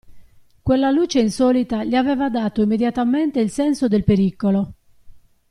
Quella luce insolita gli aveva dato immediatamente il senso del pericolo.